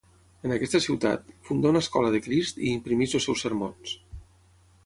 En aquesta ciutat, fundà una Escola de Crist i imprimeix els seus sermons.